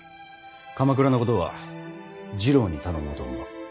鎌倉のことは次郎に頼もうと思う。